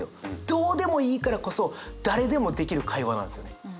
どうでもいいからこそ誰でもできる会話なんですよね。